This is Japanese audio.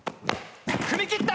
踏み切った！